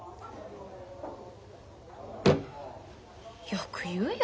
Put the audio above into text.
よく言うよ。